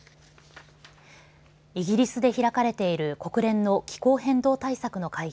イギリスで開かれている国連の気候変動対策の会議